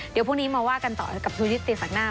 เดี๋ยวพรุ่งนี้มาว่ากันต่อกับชูยิตตีแสกหน้า